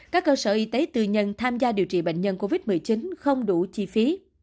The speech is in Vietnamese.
các cơ sở y tế tư nhân tham gia điều trị bệnh nhân covid một mươi chín không đủ chi phí